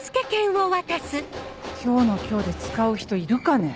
今日の今日で使う人いるかね？